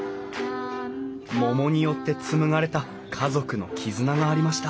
桃によって紡がれた家族の絆がありました。